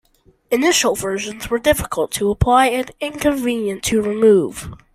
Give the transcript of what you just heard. Initial versions were difficult to apply and inconvenient to remove.